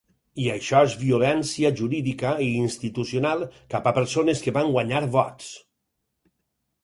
I això és violència jurídica i institucional cap a persones que van guanyar vots.